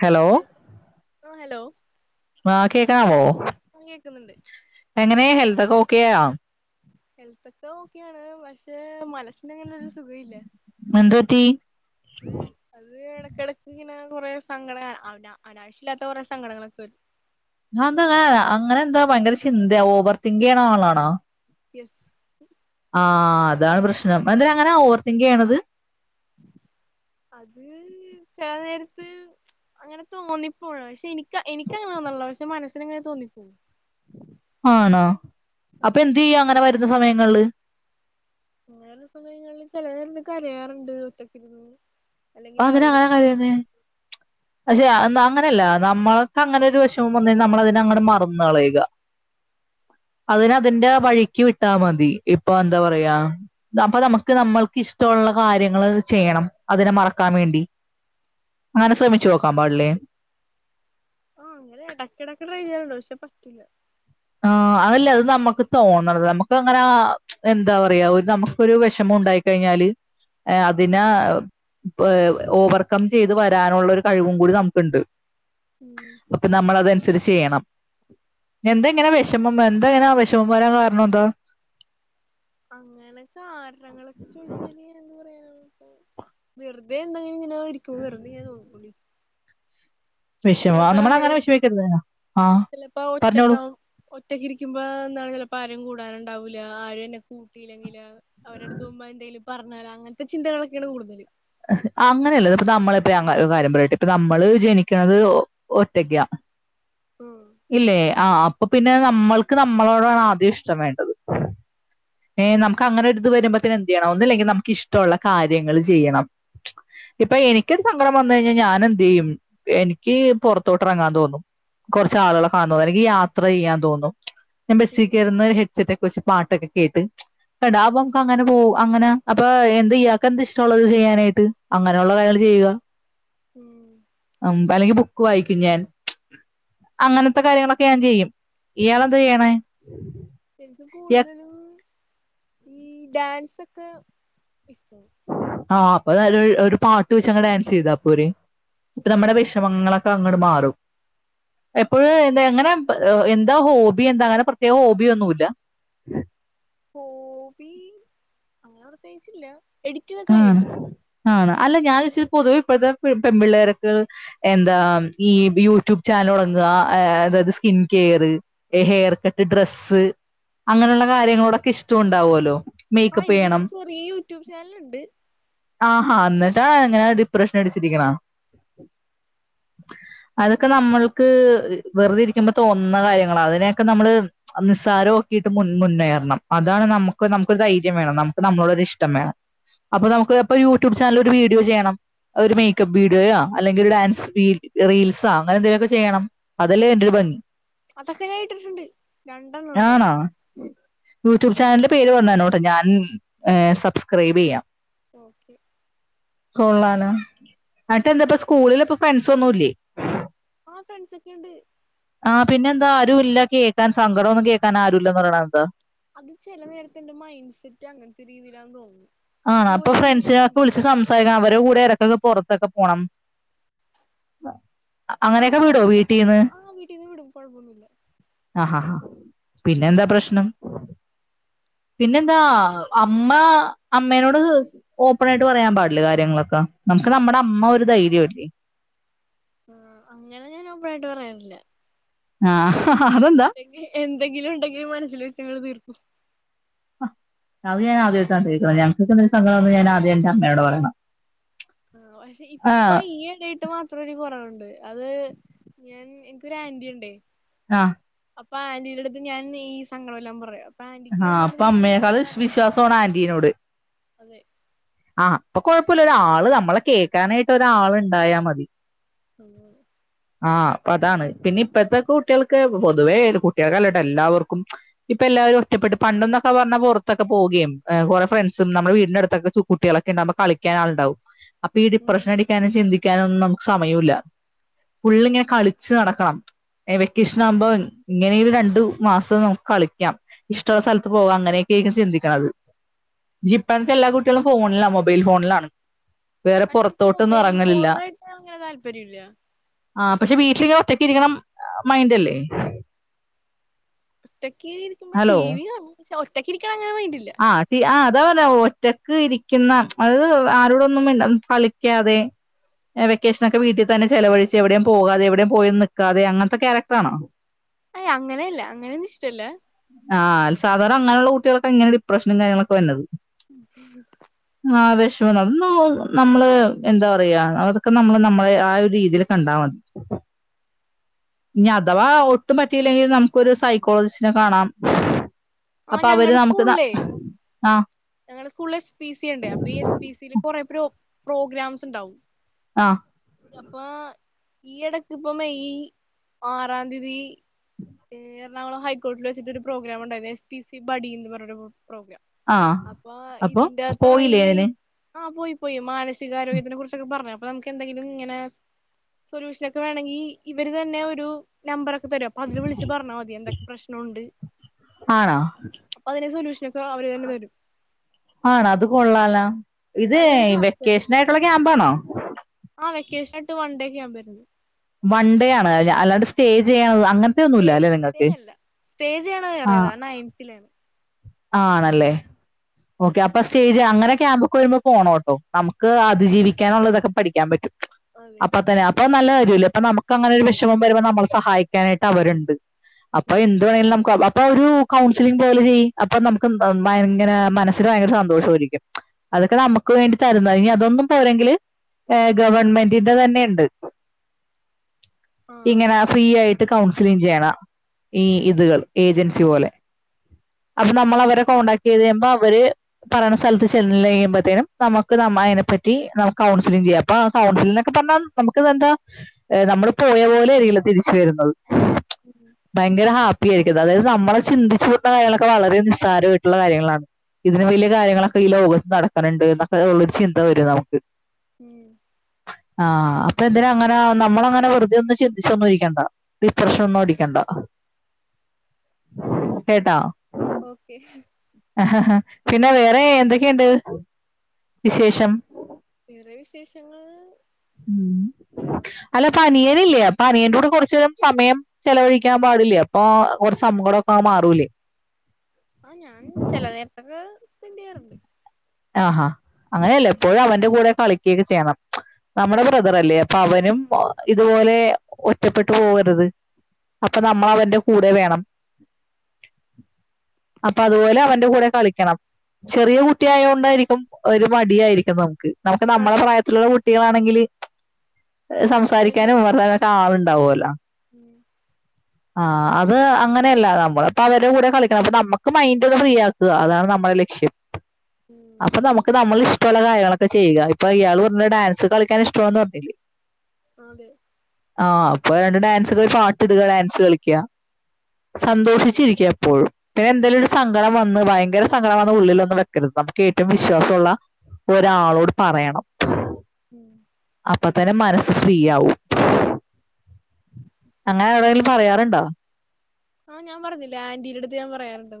Hello ആ hello ആഹ കേക്കവോ ആ കേക്കുന്നുണ്ട് എങ്ങനെയ ഹെലത്തൊക്കെ ോക്കിയ ഹെൽത്ത ഒക്കെ നോക്കിയാണ് പക്ഷെ മന ങ്ങനെ ഒരു സുഖ ഇല്ല എന്ത് പറ്റി അത് ഇടക്കിടക്ക്ന കുറേ സങ്കട അനാവശ്യം ഇല്ലാത്ത കുറെേ സങ്കടകൾൊക്കെ വരും എന്താങ്ങെ അങ്ങനെ എന്താ ഭയങ്കര ചിന്തയാ ഓവർതിങ് ചെയ്യണ ആളാണാ യെസ് ആഹ് അതാണ് പ്രശ്നം അ എന്തേം അങ്ങനെ ഓർത്തിങ്ക ആണത് അത് ചിലനേരത് [unintelligible] അങ്ങനെ തോന്നിപ്പോണ പക്ഷെ എനിക്ക് എനിക്കങ്ങനെ തോന്നല്ലോ പക്ഷെ മനസ്സിന്ങ്ങനെ തോന്നിപ്പോു ആണോ അപ്പൊ അതെ എന്ത്‌ ചെയ്യ അങ്ങനെ വരുന്ന സമയങ്ങളില് അങ്ങനള്ള സമയങ്ങളിൽ ചില നേര കരയാറുണ്ട് ഒറ്റക്കിരുന്ന്ന്ന് അ അങ്ങനെ അങ്ങനെ കറന്നെ പക്ഷെ അങ്ങനെയല്ല നമ്മൾക്ക് അങ്ങനെ ഒരു വശം വന്ന നമ്മൾതിന അങ്ങനെ മറന്നളയുക ഉ അതിന അതിന്റെ വഴിക്ക് വിട്ടാൽ മതി ഇപ്പൊ എന്താ പറയാ അപ്പൊ നമുക്ക് നമ്മൾക്ക് ഇഷ്ടമുള്ള ള്ള കാര്യങ്ങൾ ചെയണം അതിനെ മാ ാൻ വേണ്ടി അങ്ങനെ ശ്രമിച്ചു നോക്കാൻ പാടില്ലേ ആഹ അങ്ങനെ ഇടയ്ക്കിടക്ക് ട്രയിഞ്ഞണ്ടാവോ പക്ഷെ പറ്റൂില്ല ആ് അതല്ലേ അത് നമുക്ക് തോന്നണത് നമുക്ക് അങ്ങനെ എന്താ പറയാ ഒരു നമുക്കൊരു വിഷമം ഉണ്ടായി കഴിഞ്ഞാൽ അതിനെ ഏ ഓവർകം ചെയ്ത് വരാനുള്ള ഒരു കഴിവും കൂടി നമുക്കുണ്ട് ഉം അപ്പൊ നമ്മൾതനുസരിച്ച് ചെയ്യണം എന്ത് എങ്ങനെ വിഷമം എന്താ എങ്ങനെ ആ വിഷമം വരാൻ കാരണം എന്താ അങ്ങനെ കാരണങ്ങളൊക്കെ ചോദിക്കല് എന്ന് പറയാനപ്പോ വെറുതെ എന്തെ [unintelligible] വെറുതെങ്ങനെ നോക്കിക്കൊണ്ടിരിക്കും [unintelligible] നമ്മള അങ്ങനെ വിഷമിക്കരുത് ആഹ് ചെലപ്പോ പറഞ്ഞോളൂ ഒറ്റക്കാവും ഒറ്റക്കിരിക്കുമ്പോ ന്താണല്ലോ പ്പാരേം കൂടാന്ണ്ട് - ഉണ്ടാവൂ ആരുംന്നെ കൂട്ടിയില്ലെങ്കില് അവരടെടുത്ത് പോകുമ്പോ എന്തേ പറഞ്ഞലോ അങ്ങൻത്തെ ചിന്തകളൊക്കെയാണ് കൂടുതല് എഹ് അങ്ങനെയല്ലത്പ്പത് ന്നമ്മളിപ്പരങ്ങനൊരു കാര്യം പറയട്ടെ ഇപ്പ ന്നമ്മള് ജനിക്കണത് ഒറ്റക്കാ ഉം ഇല്ലേ ആഹ് അപ്പൊ പിന്നെ നമ്മൾക്ക് നമ്മളോടാണ് ആദ്യം ഇഷ്ടം വേണ്ടത് ഏ ന്നമുക്ക് അങ്ങനൊര്ത് വരുമ്പത്തി നും എന്തെയ്യണം ഒന്നുല്ലെങ്കി ന്നമുക്കിഷ്ട്ടുള്ള കാര്യങ്ങള് ചെയ്യണം ഇപ്പൊ എനിക്കൊരു സങ്കടം വന്ന കഴിഞ്ഞാൽ ഞാൻ എന്ത് ചെയ്യും എനിക്ക് പൊറത്തോട്ട് ഇറങ്ങാൻ തോന്നും കുറച്ച ആളുകളെ കാണുന്നത് തോന്നും അല്ലെങ്കി യാത്ര ചെയ്യാൻ തോന്നും ഞാൻ ഉം ബസ്സികേറുന്ന ഒരു ഹെഡ്സെറ്റ് ഒക്കെ കൊറച്ച് പാട്ടൊക്കെ കേട്ട് കെടാ അപ്പമ്ക്ക് അങ്ങനപോ അങ്ങന അപ്പാ എന്താ ഇയാക്കെന്തഷ്ട്ടൊള്ളത് ചെയ്യാനായിട്ട് അങ്ങനൊള്ള കാര്യങ്ങൾ ചെയ് ചെയ [unintelligible] ഉം അല്ലെങ്കിൽ ബുക്ക് വായിക്കും ഞാൻ അങ്ങനത്തെ കാര്യങ്ങളൊക്കെ ഞാൻ ചെയ്യും ഇയാളെന്താ ചെയ്യണെ എനിക്ക് കൂടുതലും ഈ ഡാൻസൊക്കെ ഇഷ്ട്ടാ ആഹ് അപ്പന്നല്ലോര് ഒര് പാട്ട് വെച്ചങ്ങ് ഡാൻസെയ്താ പോരേ അപ്പ ന്നമ്മടെ വെഷമങ്ങളൊക അങ്ങട് മാറും എപ്പോഴ എന്താ എങ്ങനെ എന്താ ഹോബി എന്താ അങ്ങനെ പ്രത്യേക ഹോബിയൊന്നുല്ല ഹോബി [unintelligible] അങ്ങനെ പ്രത്യേകിച്ചില്ല എഡിറ്റിംഗൊക്കെ ഭയങ്കര ആഹ് ഇഷ്ടാ ആണ അല്ല ഞാൻ ചോയ്ച്ച് പൊതുവെ ഇപ്പഴ്ത്തെ പെമ്പിള്ളേര്ക്ക് എന്താ ഈ യൂട്യൂബ് ചാനലൊടങ്ങാ താ ഏ അതായത് skin care hair cut dress അങ്ങനെയുള്ള കാര്യങ്ങളോടൊക്കെ ഇഷ്ട്ടോണ്ടാവുല്ലോ ആഹ് എനിക്കൊരു ചെറിയ യൂട്യൂബ് ചാനൽ ഉണ്ട് ആഹാ എന്നിട്ടാ അങ്ങനെ ഡിപ്രഷൻ അടിച്ചിരിക്ക്ണേ അതൊക്കെ ന്നമ്മൾക്ക് വെറുതെ ഇരിക്കുമ്പോ തോന്നുന്ന കാര്യങ്ങള അതിനെയൊക്കെ നമ്മള് നിസ്സാരോ കിട്ട് മുന്നേറണം അതാണ് നമ്മക്ക് നമ്മക്ക് ഒരു ധൈര്യം വേണം നമുക്ക് നമ്മളോടൊ ഒരു ഇഷ്ടം വേണം അപ്പന്നമുക്ക് അപ്പ യൂട്യൂബ് ചാനല് ഒരു വീഡിയോ ചെയ്യണം ഒരു മേക്കപ്പ് വീഡിയോയാ അല്ലെങ്കിലൊര് ഡാൻസ് വിടി റീൽസാ അങ്ങനെന്തെലൊക്കെ ചെയ്യണം അതല്ലേ അയ്ന്റോരു ഭങ്ങി അതൊകെ ഞാൻ ഇട്ടിട്ടുണ്ട് രണ്ടെണ്ണം ഉണ്ടായിരുന്നു ചാനല്ന്റെ പേര് പറഞ്ഞതരണോട്ടാ ഞാൻ സബ്സ്ക്രൈബെയ്യാം ഓക്കെ കൊള്ളാലോ എന്നിട്ട് എന്താപ്പ സ്കൂളില് ഇപ്പ ഫ്രണ്ട്സ ഒന്നുല്ലേ ആ ഫ്രണ്ട്സൊക്കെയുണ്ട് [unintelligible] കേൾക്കാൻ സങ്കടം ഒന്നും കേൾക്കാൻ ആരു ഇല്ലന്ന് പറയണന്താ അത് ചെല ന്നേരത്ത് എന്റെ മൈൻഡ് സെറ്റ് അങ്ങൻത്തെ രീതിയിലാവും തോന്ന്ണ് ആണഅപ്പൊ ഫ്രണ്ട്സിനൊക്കെ വിളിച്ച് സംസാരിക്കണം അവരെ കൂടെ എട കൈ പൊറത്തൊക്കെ പോണം ആ അങ്ങനെയൊക്കെ വിടോ വീട്ടിൽ പൊറത്തൊകപ് നിന്ന് ആ വീട്ടിന്ന് വിടും കൊഴപ്പൊന്നില്ല പിന്നെ എന്താ പ്രശ്നം പിന്നെന്താ അമ്മ അമ്മേനോട് ഓപ്പൺ ആയിട്ട് പറയാൻ പാടില്ല കാര്യങ്ങളൊക്കെ നമുക്ക് നമ്മുടെ അമ്മ ഒരു ധൈര്യമല്ലേ ഉം അങ്ങനെ ഞാൻ ഒപ്പണ്ണായിട്ട് പറയാറില്ല ആഹ ണ്ടെങ്കി എന്തെങ്കിലും ഉണ്ടെങ്കിലും മനസ്സില് വെച്ചങ്ങ്ട് തീർക്കും അത് ഞാൻ ആദ്യം ഇട്ടാ കേിക്കണം ഞങ്ങ കേൾക്കുന്ന ഒരു സങ്കടം വന്ന് ഞാനാ ആദ്യം എന്റെ അമ്മയോട് പറയണം ആ പക്ഷെ ഇപ്പ ആഹ് ഈ ഇടയിട്ട് മാത്രം ഒരു കുറവുണ്ട് അത് ഞാൻ എനിക്കൊരു ആന്റി ഉണ്ടേ ആഹ അപ്പൊ ആന്റീടടുത്ത് ഞാൻ ഈ സങ്കട എല്ലാം പറയാ. ആ അപ്പൊ അമ്മയേക്കാൾ പറഞ്ഞു വിശ്വാസണ് തരും ആന്റീനോട്. അതെ ആ അപ്പൊ കൊഴപ്പല്ല ഒരാള് നമ്മളെ കേക്കാനായിട്ട് ഒരാള് ഉണ്ടായാ മതി. ആ അപ്പൊ അതാണ് പിന്നെ ഇപ്പഴത്തെക്കെ കുട്ടികൾക്ക് പൊതുവേ കുട്ടികൾക്കല്ലട്ടൊ എല്ലാവർക്കും ഇപ്പ എല്ലാവരും ഇഷപ്പെട്ട് പണ്ടെന്നൊക്കെ പറഞ്ഞ പൊറത്തൊെ പോവുകയും ങ് കുറെ ഫ്രണ്ട്സും നമ്മുടെ വീടിനടുത്തൊക്കെ ചു കുട്ടികളൊക്കെണ്ടുമ്പോ കളിക്കാ ക്കാ ള്ണ്ടാവും അപ്പൊ ഈ ഉം ഡിപ്രഷൻ അടിക്കാനും ചിന്തിക്കാനൊന്നും നമുക്ക് സമയല്ല. ഫുള്ളിങ്ങനെ കളിച്ച് നടക്കണം. എ വെക്കേഷൻ ആകുമ്പോ ഇങ്ങനെരു രണ്ടു മാസം നമുക്ക് കളിക്കാം. ഇഷ്ടമുള്ള സ്ഥലത്ത് പോക അങ്ങനെയൊക്കെയായിരിക്കും ചിന്തിക്ക്ണത്. ജിപ്പാൻത്തെ എല്ലാ കുട്ടികളും ഫോണില മൊബൈൽ ഫോണിലാണ്. വേറെ പക്ഷെ എനിക്ക് പുറത്തോട്ടൊന്നും മൊബൈൽ ഇറങ്ങലില്ല ഫോണിലായിട്ട് അങ്ങനെ താല്പര്യം ഇല്ല ആ പക്ഷെ വീട്ടിലി [unintelligible] റ്റക്ക് ഇരിക്കണം മൈൻഡല്ലേ? ഒറ്റക്ക് ഇരിക്കുമ്പോ ടി വി കാണും പക്ഷെ ഒറ്റക്കിരിക്ക ആഹ് ഹി ആ അതാ പറഞ്ഞ ഒറ്റക്ക് ഇരിക്കുന്ന അതായത് ആരോടൊന്നും മിണ്ട കളിക്കാതെ വെക്കേഷനൊക്കെ വീട്ടിൽ തന്നെ ചെവഴിച്ച് എവിടെയും പോകാതെ എവിടെയും പോയി നിൽക്കാതെ അങ്ങൻത്തെ ക്യാരക്ടറാണോ? ഏ അങ്ങനെയല്ല അങ്ങനെയൊന്നും ഇഷ്ടല്ല ആ അ സാധാര അങ്ങനെയുള്ള കു കുട്ടികക്കെ ഇങ്ങന ഡിപ്രശനും കാര്യങ്ങളൊക്കെ വര്ണത് ഉ ആ വിഷന്നന്ന് അതൊന്ന നമ്മള് എന്താ പറയാ അതൊക്കെ നമ്മള് നമ്മളെ ആ ഒരു രീതിയില് കണ്ടാ മതി. ഇനി അഥവാ ഒട്ടും പറ്റിയില്ലെങ്കിൽ നമുക്കരു സൈക്കോളജിസ്റ്റിനെ കാണാം. ആ അപ്പൊ അവര് ഞങ്ങളടെ നമുക്ക് ന സ്കൂളിലേ എ ആ ഞങ്ങളെ സ്കൂളിൽ എ പി സി ഉണ്ട് അപ്പൊ ഈ എ പി സില് കൊറെ പ്ര പ്രോഗ്രാംസ്ണ്ടാവും ആ അപ്പൊ ഈ ഇടക്ക് ഇപ്പൊ മെയ് ആറാം തീയതി എറണാകുളം ഹൈക്കോർട്ടിൽ വെച്ചിട്ട ഒരു പ്രോഗ്രാം ഉണ്ടായിരുന്നു എസ് പി സി ബഡി എന്ന് റഞ്ഞൊ പ്രോഗ്രാം ആ അപ്പൊ അപ്പൊ ഇതിന്റെ പോയില്ലേ അത്താണെങ്കില് അതിന് ആ പോയി. പോയി മാനസികാരോഗ്യത്തിനൊക്കെ കുറിച്ചൊക്കെ പറഞ്ഞു അപ്പൊ നമുക്ക് എന്തെങ്കിലും ഇങ്ങനെ സൊല്യൂഷനക്കെ വേണങ്കി ഇവര് തന്നെ ഒരു നമ്പറൊ ക്ക് തരും അതില് വിളിച്ച് പറഞ്ഞാൽ മതി എന്തൊക്കെ പ്രശ്നണ്ട് ആണോ തന്നെ തരും ആണോ അത് കൊള്ളാലോ ഇത് നല്ലൊരു ക്ലാസ് ആയിരുന്നു വെക്കേഷനായിട്ടുള്ള ക്യാമ്പാണോ ക്യാമ്പര്ന്നു വൺ ഡേ ആണ് അല്ലാണ്ട് സ്റ്റേ ചെയ്യ സ്റ്റേ സ്റ്റേ അല്ല സ്റ്റേ ചെയ്യ്ണ ആ വേറത് കാരണ [unintelligible] ആണല്ലേ ഓക്കെ അപ്പൊ സ്റ്റേജ് അങ്ങനെ ക്യാമ്പ് ഒക്കെ വരുമ്പോ പോണോട്ടോ നമുക്ക് അതിജീവിക്കാനുള്ളതൊക്കെ പഠിക്കാൻ പറ്റും അതെ അപ്പൊ തന്നെ അപ്പൊ നല്ല കാര്യല്ലേ? അപ്പൊ നമുക്ക് അങ്ങനെ ഒരു വിഷമം വരുമ്പോ നമ്മളെ സഹായിക്കാനായിട്ട് അവരുണ്ട് അപ്പൊ ഉം എന്ത് വണെങ്കിലും നമുക്ക് അപ്പൊ ഒരു കൗൺസിലിംഗ് പോലെ ചെയ്യു അപ്പൊ നമുക്ക് ഭയങ്കര മനസ്സില് ഭയങ്കര സന്തോഷമായിരിക്കും അതൊക്കെ നമുക്ക് വേണ്ടി തരുന്ന ഇനി അതൊന്നും പോരെങ്കില് ങ് ഗവൺമെന്റിന്റെ ന്നെയുണ്ട്. ആഹ് ഇങ്ങനാ ഫ്രീ ആയി കൗൺസിലിങ് ചെയ്യണ ഈ ഇതുകൾ ഏജൻസി പോലെ അപ്പൊ നമ്മൾ അവരെ കോണ്ടാക്ട് ചെയ്ത് കഴുമ്പോ അവര് പറയ്ണ സ്ഥലത്ത് ചെല്ലഴിയുമ്പഴത്തേനും നമുക്ക് ന മയനെ പറ്റി നമുക്ക് കൗൺസിലിങ് ചെയ്യാം അപ്പൊ കൗൺസിലിന്നക്കെ പറഞ്ഞാ നമുക്ക്തിന്താ നമ്മള് പോയ പോലെയിരിക്കില്ല തിരിച്ച് വരുന്നത് ഉം ഭയങ്കര ഹാപ്പി ആയിരി അതായത് നമ്മളെ ചിന്തിച്ചുട്ടണ കാര്യങ്ങളൊക്കെ വളരെ നിസ്സാരമായിട്ടുള്ള കാര്യങ്ങളാണ്. ഇതിന് വലിയ കാര്യങ്ങളൊക്കെ ഈ ലോകത്ത് നടക്കണുണ്ട്ന്നൊക്കെള്ളരു ചിന്ത വരും നമുക്ക്. ഉം ആ അപ്പൊന്തിനങ്ങനെ? നമ്മള അങ്ങനെ വെറുതെന്നും ചിന്തിച്ചൊന്നും ഇരിക്കണ്ട ഡിപ്രഷ ഒന്നും അടിക്കണ്ട. കേട്ട ഓക്കെ ഹഹഹഹ പിന്നെ വേറെ എന്തൊക്കേണ്ട് വിശേഷം? വേറെ വിശേഷങ്ങൾ. മ് അല്ലപനീയനില്ലേ അപനീയന്റെ കൂടെ കുറച്ചരം സമയം ചെലവഴിക്കാൻ പാ ടില്ല അപ്പൊ കുറചങ്കടൊക്കെ മാറൂലേ? ആ ഞാൻ ചില നേരത്തൊക്കെ സ്പെൻന്റയ്യാറുണ്ട്. ആ ഹാ അങ്ങനെയല്ല പ്പോഴും അവന്റെ കൂടെ കളികൊക്കെ ചെയ്യണം. നമ്മുടെ ബ്രദറല്ലേ അപ്പൊ അവനും ഇതുപോലെ ഒറ്റപ്പെട്ടു പോകരുത്. അപ്പൊ നമ്മൾ അവന്റെ കൂടെ വേണം. അപ്പൊ അതുപോലെ അവന്റെ കൂടെ കളിക്കണം ചെറിയ കു കുട്ടിയയോണ്ടായിരിക്കും ഒരു മടിയായിരിക്കും നമുക്ക് നമുക്ക് നമ്മളെ നാട്ടി പ്രായത്തിലുള്ള കുട്ടികളാണെങ്കില് ആ പെട്ടെന്ന് സംസാരിക്കാനും ചെന്നേരെ വർത്താനൊക്കെളുണ്ടാവലോ ഉം ആ അത് അങ്ങനെയല്ല നമ്മള് പ്പൊ അവരെ കൂടെ കളിക്കണം പ്പൊ നമുക്ക് മൈന്ഡ് ഒന്ന് ഫ്രീ ആക്ക. അതാണ് നമ്മുടെ ലക്ഷ്യം ഉം അപ്പം നമക് നമ്മളെ ഇഷ് പല കാര്യങ്ങളൊക്കെ ചെയ്യുക ഇപ്പൊ യാള് പറഞ്ഞ ഡാൻസ് കളിക്കാൻ ഷ്ടന്ന് പറഞ്ഞില്ലേ അതെ. ആ അപ്പൊ രണ്ട് ഡാൻസ്ക്കെ പാട്ട്ടുക ഡാൻസ് കളിക്കുക. സന്തോഷിച്ചിരിക്കുക എപ്പോഴും പിന്നെന്തെലും ഒരു സങ്കടം വന്ന് ഭയങ്കര സങ്കടം വന്ന് ഉള്ളിലോ നമുക്ക് ഏറ്റവും വിശ്വാസള്ള ഒരാളോട് പറയണം. [inaudible] അപ്പതന്നെ മനസ്സ് ഫ്രീ ആവും. [inaudible] ഞഎവിടെലും പറയാറുണ്ടോ? ആഹ് ഞാൻ പറുഞ്ഞിലെ ആന്റീടെടുത്ത് ഞാൻ പറയാറുണ്ട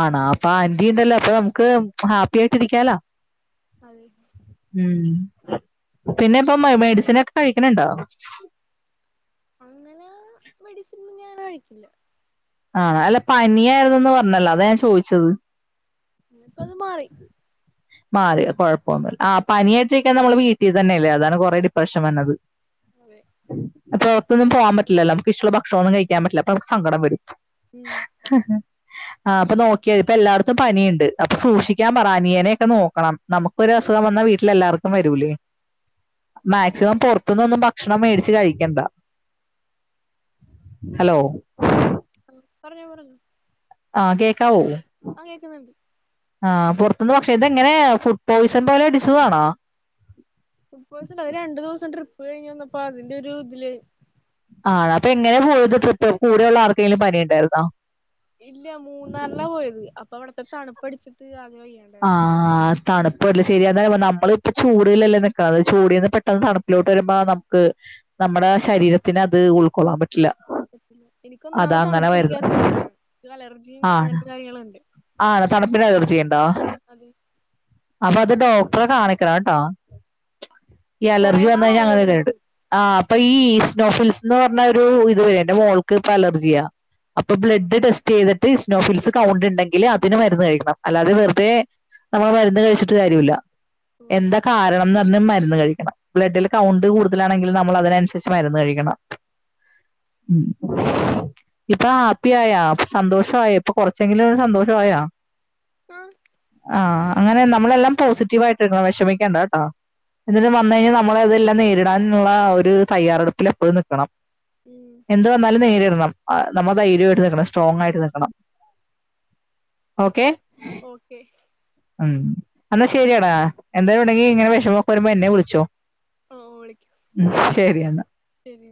ആണ അപ്പൊ ആന്റീണ്ടല്ലോ അപ്പൊമുക്ക് ഹാപ്പിയിട്ടിരിക്കാലോ. അതെ. ഉം പിന്നെ ഇപ്പ മേ മെഡിസിനക്കെ കഴിക്കണണ്ടോ? [inaudible] ആണ അല്ല പനിയായിരുന്നന്ന് പറഞ്ഞല്ലോ അതാ ഞാൻ ചോദിച്ചത്. ഇപ്പൊത് മാറി. മാര്യോ കുഴപ്പൊന്നില്ല ആ പനിയായിട്ടിരിക്കാമ്മൾ വീട്ടിൽ തന്നെല്ലേ അതാണ് കൊറെ ഡിപ്രഷൻ വന്നത്. [inaudible] അപ്പൊ പുറത്തൊന്നും പോവാൻ പറ്റില്ലല്ലോ നമുക്കഷ്ടുള്ള ഭക്ഷണമൊന്നും കഴിക്കാൻ പറ്റില്ല അപ്പൊ നമുക്ക് സങ്കടം വരും. ഉം ആ അപ്പൊ നോക്കിയാതി ഇപ്പൊ എല്ലായിടത്തും പനിയുണ്ട് അപ്പൊ സൂക്ഷിക്കാൻ പറാ അനിയനൊക്കെ നോക്കണം. നമുക്കോരുസുഖം വന്ന വീട്ടെല്ലാർക്കും വരും. മാക്സിമം പുറത്തുന്നൊന്നും ഭക്ഷണം മേടിച്ചു കഴിക്കണ്ട. ഹലോ. പറഞ്ഞോ പറ ആ കേൾക്കാവോ? ആഹ പുറത്തുനിന്ന് ക്ഷെ ഇതെങ്ങനെയ ഫുഡ് പോയ്സൺ പോലെ ഇടിച്ചതാണോ? യിസം ഒരു രണ്ടുസം ട്രിപ്പ് കഴിഞ് വന്നപ്പോ അതിന്റെരു ഇതില് ആ അപ്പൊ എങ്ങനെ പോയത് ട്രിപ്പ കൂടെയള്ള ആർക്കെലും പനിണ്ടായിരുന്നോ? ഇല്ല മൂന്നാർലാ പോയത് അപ്പൊ അവിടത്തെ തണുപ്പടിച്ചിട്ട് ആകെ ആ വയ്യാണ്ടായി ഹാ. തണുപ്പലേ ശരിയാണ് അതാ ഞാൻ പറയുമ്പോ നമ്മളിപ്പൊ ചൂടിലല്ലേ നിൽക്ക അത് ചൂടിന്ന് പെട്ടെന്ന് തണുപ്പിലോട്ട് വരുമ്പോ നമുക്ക്. നമ്മുടെ ശരീരത്തിന് അത് ഉൾക്കൊള്ളാൻ പറ്റും. എനിക്കൊന്നാമത് തണുപ്പ് വരുന്നത് പിടിക്കാത്ത വ്യക്തിയാണ് എനിക്ക് അലർജിയും അങ്ങനത്തെ കാര്യങ്ങളുണ്ട്. ആ തണുപ്പിനലർജി. അതെ അപ്പൊ അത് ഡോക്ടറെ കാണിക്കണട്ടോ. ഈ കൊറേ അലർജി വന്ന് കഴിഞ്ഞാ നാളായി അങ്ങനെ ഇത് തുടങ്ങിട്ട് ആ അപ്പൊ ഈ സ്നോ ഫിൽസ് എന്ന് പറഞ്ഞ ഒരു ഇത് എന്റെ മോൾക്ക് ഇപ്പലർജിയാ. അപ്പൊ ആ ബ്ലഡ് ടെസ്റ്റ് ചെയ്തിട്ട് ഇ സ്നോഫിൽസ് കൗണ്ട് ഉണ്ടെങ്കിൽ അതിന് മരുന്ന് കഴിക്കണം അല്ലാതെ. വെറുതെ നമ്മൾ മ രുന്ന് കഴിച്ചിട്ട് കാര്യില്ല ഓ എന്താ കാരണം. മരുന്ന് കഴിക്കണം ബ്ലഡില് കൗണ്ട് കൂടുതലാണെങ്കിലും നമ്മൾ അതിനനുസരിച്ച് മരുന്ന് കഴിക്കണം. ഉം ഇപ്പൊ ഹാപ്പി ആായ സന്തോഷായ ഇപ്പൊ കുറച്ചെങ്കിലും സന്തോഷ ആയോ? ആ ആഹ അങ്ങനെ നമ്മളെല്ലാം പോസിറ്റീവ് ആയിട്ടിടണം വിഷമിക്കേണ്ടട്ടോ. ഇതിന് വന്ന് കഴിഞ്ഞാൽ നമ്മള് ഇതെല്ലാം നേരിടാനുള്ള ഒരു തയ്യാറെടുപ്പിൽ എപ്പോഴും നിക്കണം. ഉം എന്തു വന്നാലും നേരിടണം. നമ്മൾ ധൈര്യായിട്ട് നിക്കണം സ്ട്രോങ് ആയിട്ട് നിക്കണം ഓക്കെ. ഓക്കെ ഉം എന്നാൽ ശരിയെടാ എന്തേലു ണ്ടെങ്കി ഇങ്ങനെ വിഷമൊക്കെ വരുമ്പോ എന്നെ വിളിച്ചോ. ഓ വിളിക്കാം ഉ ശെരിയന്നാ. ശരി